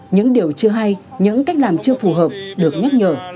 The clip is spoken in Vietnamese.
những điều chưa hay những cách làm chưa phù hợp được nhắc nhở